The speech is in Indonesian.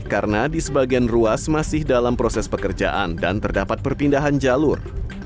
karena di sebagian ruas masih dalam proses pekerjaan dan terdapat perpindahan jalur